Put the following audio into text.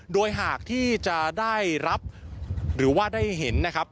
โดยหากที่จะได้รับหรือว่าได้เห็นนะครับ